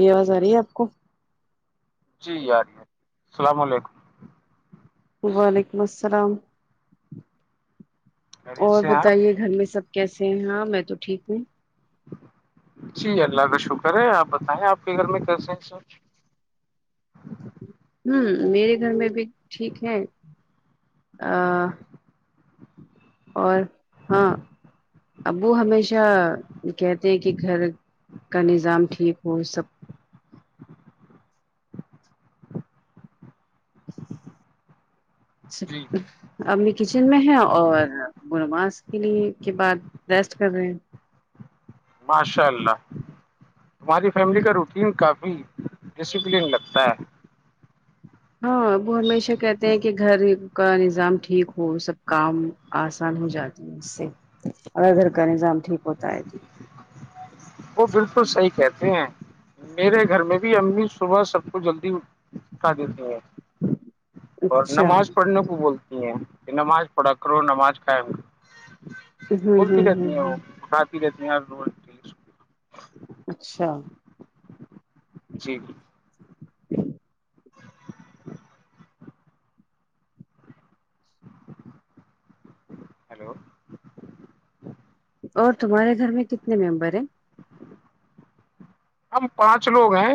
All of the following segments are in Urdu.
یہ اواز ا رہی ہے اپ کو جی ا رہی ہے السلام علیکم وعلیکم السلام خیریت اور سے ہیں آپ بتائیے گھر میں سب کیسے ہیں ہاں میں تو ٹھیک ہوں جی اللہ کا شکر ہے اپ بتائیں اپ کے گھر میں کیسے ہیں سب ہم میرے گھر میں بھی ٹھیک ہے ا ا اور ہاں ابو ہمیشہ کہتے ہیں کہ گھر کا نظام ٹھیک ہو سب سب جی امی کچن میں ہے اور وہ نماز کے لیے کے بعد ریسٹ کر رہے ہیں ماشاء اللہ ہماری فیملی کا روٹین کافی ڈسپلن لگتا ہے ہاں وہ ہمیشہ کہتے ہیں کہ گھر کا نظام ٹھیک ہو سب کام اسان ہو جاتی ہے سے اگر گھر کا نظام ٹھیک ہوتا ہے تو وہ بالکل صحیح کہتے ہیں میرے گھر میں بھی امی صبح سب کو جلدی کھ دیتی ہیں اور اچھا ہوں نماز پڑھنے کو بولتے تی ہے نماز پڑا کرو نماز قائم ہوں بولتی ہوں رہتی ہیں ہوں وہ اٹھاتی رہتی ہیں ہر روز اچھا جی ہیلو اور تمہارے گھر میں کتنے ممبر ہیں ہم پانچ لوگ ہیں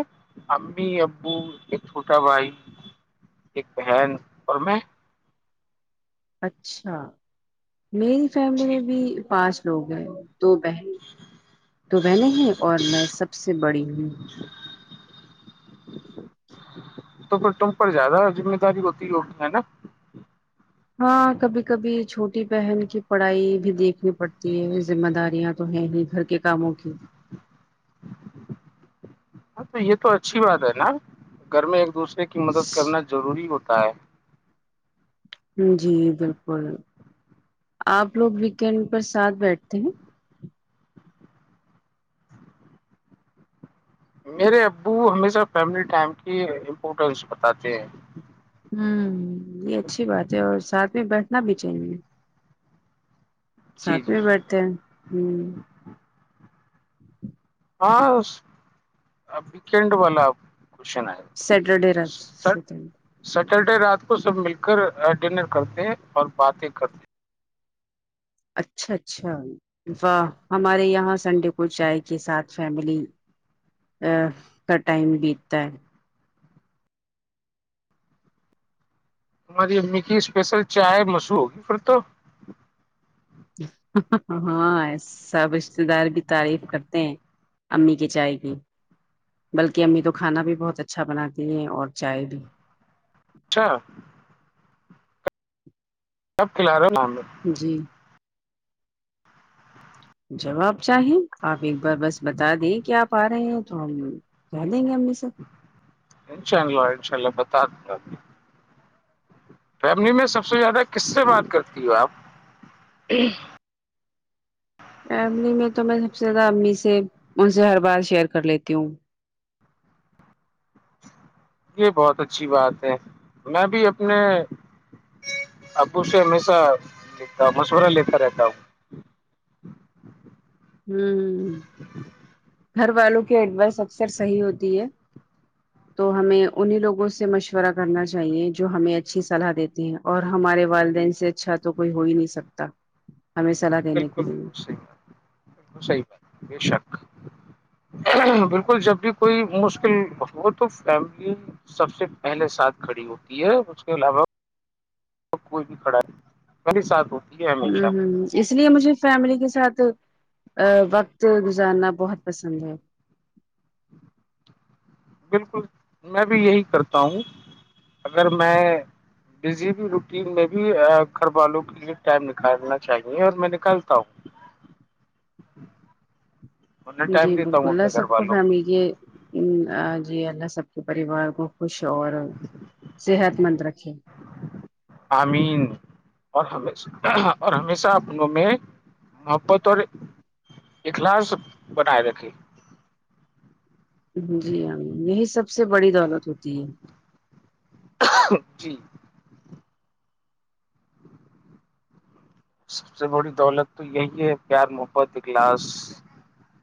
امی ابو ایک چھوٹا بھائی ایک بہن اور میں اچھا میری فیملی جی میں بھی پانچ لوگ ہیں دو بہن دو بہنے ہیں اور میں سب سے بڑی ہوں تو پھر تم پر زیادہ ذمہ داری ہوتی ہوگی ہے نا ہاں کبھی کبھی چھوٹی بہن کی پڑھائی بھی دیکھنی پڑتی ہے ذمہ داریاں تو ہیں ہی گھر کے کاموں کی ہاں تو یہ تو اچھی بات ہے نا گھر میں ایک دوسرے کی مدد کرنا ضروری ہوتا ہے جی بالکل اپ لوگ ویکینڈ پر ساتھ بیٹھتے ہیں میرے ابو ہمیشہ فیملی ٹائم کی امپورٹینس بتاتے ہیں ہم یہ اچھی بات ہے اور ساتھ میں بیٹھنا بھی چاہیے جی ساتھ جی میں بیٹھتے ہیں ہوں ہاں اس اب ویکینڈ والا کوشن آئے سیٹرڈے رات سٹرڈے سٹرڈے رات کو سب مل کر ڈنر کرتے ہیں اور باتیں کرتے ہیں اچھا اچھا واہ ہمارے یہاں سنڈے کو چائے کے ساتھ فیملی کا ٹائم بیتتا ہے ہماری امی کی اسپیشل چائے مسوع پھر تو ہاں سب رشتے دار بھی تعریف کرتے ہیں امی کے چائے کی بلکہ امی تو کھانا بھی بہت اچھا بناتی ہیں اور چائے بھی اچھا کب کھلا رہے ہو جی جب آپ چاہیں آپ ایک بار بس بتا دیں کیا آپ آ رہے ہیں تو ہم کہہ دیں گے امی سے انشاء اللہ انشاء اللہ بتا دوں گا فیملی میں سب سے زیادہ کس سے جی بات کرتی ہو آپ فیملی میں تو میں سب سے زیادہ امی سے ان سے ہر بات شیئر کر لیتی ہوں یہ بہت اچھی بات ہے میں بھی اپنے ابو سے ہمیشہ مشورہ لیتا رہتا ہوں ہوں گھر والوں کی ایڈوائس اکثر صحیح ہوتی ہے تو ہمیں انہیں لوگوں سے مشورہ کرنا چاہیے جو ہمیں اچھی صلاح دیتی ہیں اور ہمارے والدین سے اچھا تو کوئی ہو ہی نہیں سکتا ہمیں صلاح دینے کے بالکل لیے ہوں بالکل صحیح بات بالکل صحیح بات بے شک بالکل جب بھی کوئی مشکل ہو تو فیملی سب سے پہلے ساتھ کھڑی ہوتی ہے اس کے علاوہ کوئی بھی کھڑا نہیں میری ساتھ ہوتی ہے ہمیشہ ہوں اس لیے مجھے فیملی کے ساتھ وقت گزارنا بہت پسند ہے بالکل میں بھی یہی کرتا ہوں اگر میں بیزی بھی روٹین لگی گھر والوں کے لیے ٹائم نکالنا چاہیے اور میں نکالتا ہوں میں جی ٹائم دیتا بالکل ہوں اللہ اپنے گھر سب کو والوں فیملی کے ان ا جی اللہ سب کے پریوار کو خوش اور صحت مند رکھے آمین اور اور ہمیشہ اپنوں میں محبت اور اخلاص بنائے رکھے جی امین یہی سب سے بڑی دولت ہوتی ہے جی سب سے بڑی دولت تو یہی ہے پیار محبت اجلاس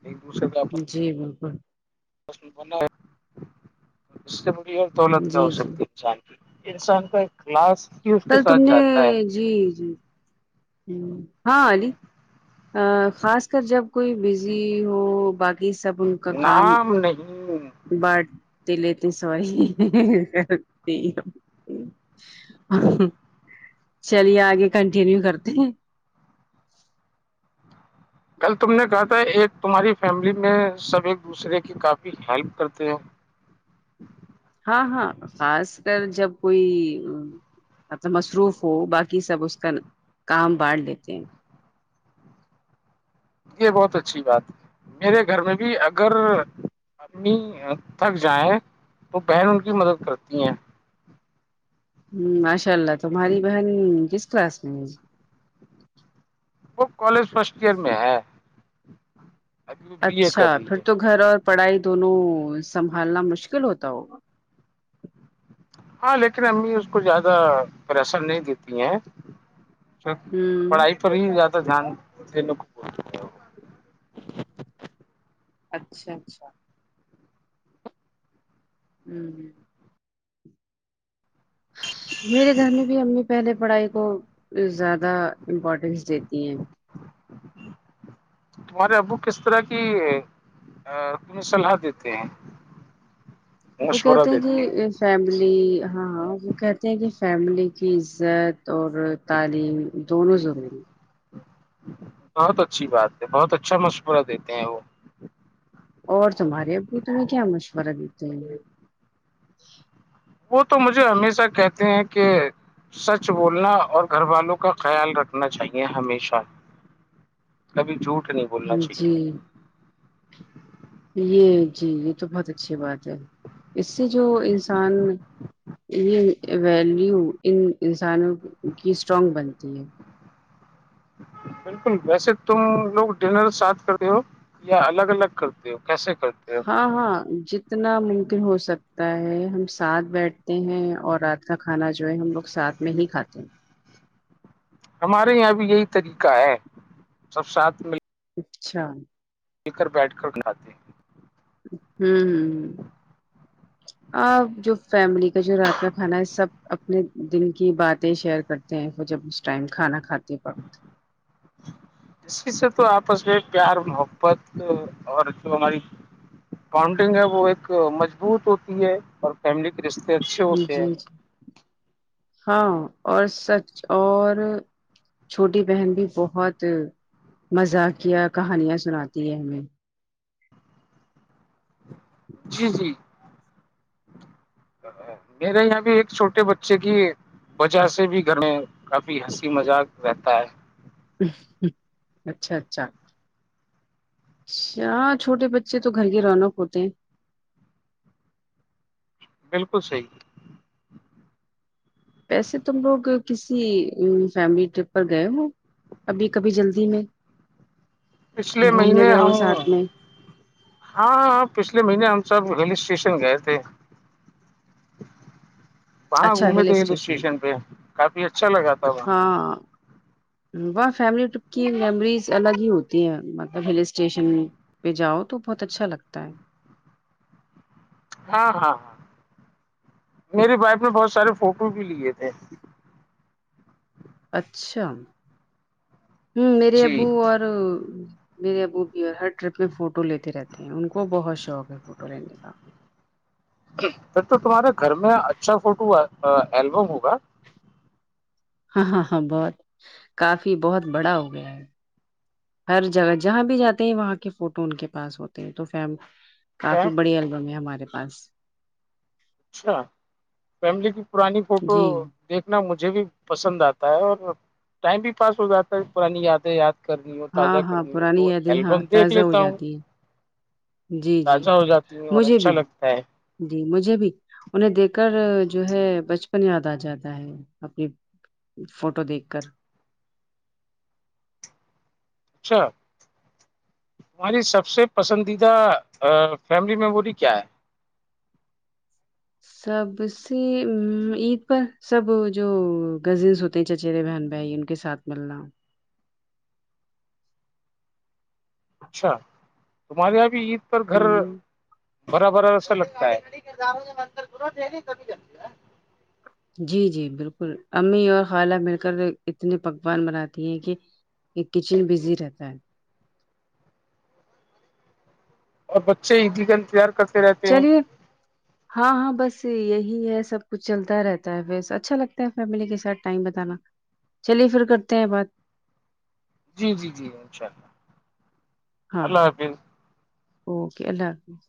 ایک دوسرے کا جی بالکل ب اس سے م دولت کی جی ہوک جی ہے [unintelligible] انسان کا اخلاص ھی اس کے کل تم ساتھ نے جاتا ہے جی جی ہاں علی آ خاص کر جب کوئی بزی ہو باقی سب ان نام نہیں بٹ تے لیتے سو ری [unintelligible] امم چلیے آگے کنٹینیو کرتے ہیں کل تم نے کہا تھا ایک تمہاری فیملی میں سب ایک دوسرے کی کافی ہیلپ کرتے ہو ہاں ہاں خاص کر جب کوئی میں تو مصروف ہو باقی سب اس کن کام بانٹ لیتے ہیں یہ بہت اچھی بات ہے میرے گھر میں بھی اگر امی تھک جائیں تو بہن ان کی مدد کرتی ہیں ماشاء اللہ تمہاری بہن کس کلاس میں ہے وہ کالج فرسٹ ایئر میں ہے ابھی وہ بی اے اچھا کر رہی پھر ہے تو گھر اور پڑھائی دونوں سنبھالنا مشکل ہوتا ہوگا ہاں لیکن امی اس کو زیادہ پریشر نہیں دیتی ہیں ہوں پڑھائی پر ہی زیادہ دھیان دینے کو اچھا اچھا امم میرے گھر میں بھی امی پہلے پڑھائی کو وہ زیادہ امپورٹینس دیتی ہیں تمہارے ابو کس طرح کی آ تمہیں صلاح دیتے ہیں وہ مشورہ کہتے ہیں کہ دیتے اس فیملی ہاں ہاں وہ کہتے ہیں کہ فیملی کی عزت اور تعلیم دونوں ضروری بہت اچھی بات ہے بہت اچھا مشورہ دیتے ہیں وہ اور تمہارے ابو تمہیں کیا مشورہ دیتے ہیں وہ تو مجھے ہمیشہ کہتے ہیں کہ سچ بولنا اور گھر والوں کا خیال رکھنا چاہیے ہمیشہ کبھی جھوٹ نہیں بولنا چاہیے جی یہ جی یہ تو بہت اچھی بات ہے اس سے جو انسان یہ ویلیو ان انسانوں کی ایک اسٹرانگ بنتی ہے بالکل ویسے تم لوگ ڈنر ساتھ کر تے ہو یا الگ الگ کرتے ہو کیسے کرتے ہو ہاں ہاں جتنا ممکن ہو سکتا ہے ہم ساتھ بیٹھتے ہیں اور رات کا کھانا جو ہے ہم لوگ ساتھ میں ہی کھاتے ہیں ہمارے یہاں بھی یہی طریقہ ہے سب ساتھ مل اچھا مل کر بیٹھ کر اٹھاتے ہیں امم آپ جو فیملی یہ جو رات کا کھانا ہے سب اپنے دل کی باتیں شیئر کرتے ہیں وہ جب اس ٹائم کھانا کھاتے ہیں اسی سے تو آپس میں پیار محبت اور جو ہماری کاؤنٹنگ ہے وہ ایک مجبوط ہوتی ہے اور فیملی رشتے اچھے جی ہوتے جی ہیں ہاں اور سچ اور چھوٹی بہن بھی بہت مذاقیہ کہانیاں سناتی ہے ہمیں جی جی ہاں میرے یہاں بھی ایک چھوٹے بچے کی وجہ سے بھی گھر میں کافی ہنسی مذاق رہتا ہے اچھا اچھا اچھا چھوٹے بچے تو گھر کی رونق ہوتے ہیں بالکل صحیح ویسے تم لوگ کسی فیملی ٹرپ پر گئے ہو ابھی کبھی جلدی میں پچھلے گھومنے مہینے گئے ہو ہاں ساتھ میں ہاں پچھے مہینے ہم سے ہل اسٹیشن گیے تھے وہاں گھومے تھے ہل اسٹیشن پہ کافی اچھا لگا تھا وہاں واہ فیملی ٹرپ کی میموریز الگ ہی ہوتی ہیں مطلب ہل اسٹیشن پے جاؤ تو بہت اچھا لگتا ہے ہاں ہاں ہاں میرے بیگ میں بہت سارے فوٹو بھی لیے تھے اچھا ہوں میرے جی ابو اور میرے ابو بھی اور ہر ٹرپ میں فوٹو لیتے رہتے ہیں ان کو بہت شوق ہے فوٹو لینے کا پھر تو تمہارے گھر میں اچھا فوٹو ا البم ہوگا ہاں ہاں ہاں بہت کافی بہت بڑا ہو گیا ہر جگہ جہاں بھی جاتے ہیں وہاں کے فوٹو ان کے پاس ہوتے ہیں تو فم کافی بڑی البم ہے ہمارے پاس اچھا فیملی کی پرانی فوٹو جی دیکھنا مجھے بھی پسند آتا ہے اور ٹائم بھی پاس ہو جاتا ہے پرانی یادیں یاد کرنی ہو ہاں تازہ ہاں کرنی ہو پرانی تو یادیں ہاں البم دیکھ تازہ ہو لیتا ہوں جاتی ہیں جی جی تازہ ہو جاتی ہیں اور مجھے اچھا بھی لگتا ہے جی مجھے بھی انہیں دیکھ کر جو ہے بچپن یاد آ جاتا ہے اپنی فوٹو دیکھ کر اچھا ہماری سب سے پسندیدہ ا فیملی میموری کیا ہے سب سے ون عید پر سب جو کزنس ہوتے تین چچرے بہن بھائی ان کےساتھ ملنا اچھا تمہارے یہاں بھی عید پر ہ گھر بھرا بھرا سا لگتا ہے جی جی بالکل امی اور خالہ مل کر اتنے پکوان بناتی ہیں کہ ایک کچن بزی رہتا ہے اور بچے عیدی کا انتظار کر چلیے ہاں ہاں بس یہی ہے سب کچھ چلتا رہتا ہے بس اچھا لگتا ہے فیملی کے ساتھ ٹائم بتانا چلیے پھر کرتے ہیں بات جی جی جی انشاء اللہ ہاں اللہ حافظ اوکے اللہ حافظ